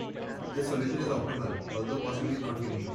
This solution is optimal, although possibly not unique.